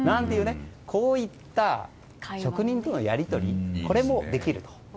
こういった職人とのやり取りもできると。